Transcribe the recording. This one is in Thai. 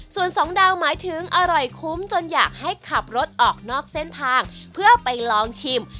ส่วนสองดาวหมายถึงอร่อยคุ้มจนอยากให้ขับรถออกนอกเส้นทางเพื่อไปลองชิม